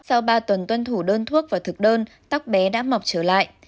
sau ba tuần tuân thủ đơn thuốc và thực đơn các bé đã mọc trở lại